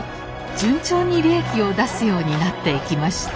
順調に利益を出すようになっていきました。